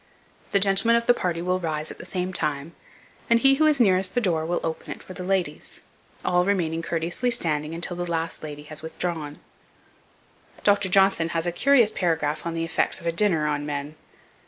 The gentlemen of the party will rise at the same time, and he who is nearest the door, will open it for the ladies, all remaining courteously standing until the last lady has withdrawn. Dr. Johnson has a curious paragraph on the effects of a dinner on men.